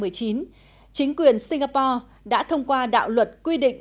ngày tám tháng năm năm hai nghìn một mươi chín chính quyền singapore đã thông qua đạo luật quy định